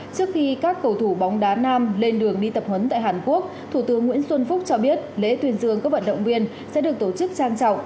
trước khi các cầu thủ bóng đá nam lên đường đi tập huấn tại hàn quốc thủ tướng nguyễn xuân phúc cho biết lễ tuyên dương các vận động viên sẽ được tổ chức trang trọng